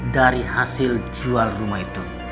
dari hasil jual rumah itu